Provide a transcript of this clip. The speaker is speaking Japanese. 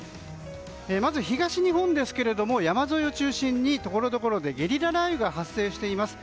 まず、東日本ですが山沿いを中心にところどころでゲリラ雷雨が発生しています。